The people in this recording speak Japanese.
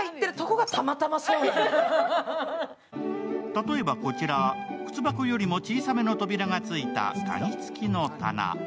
例えばこちら、くつ箱よりも小さめの扉がついた鍵付きの棚。